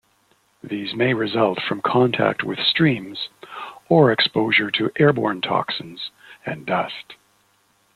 These may result from contact with streams or exposure to airborne toxins and dust.